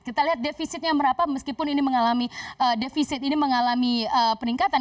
kita lihat defisitnya berapa meskipun ini mengalami peningkatan